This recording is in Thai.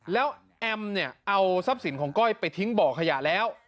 แล้วแอมเนี่ยเอาทรัพย์สินของก้อยไปทิ้งบ่อขยะแล้ว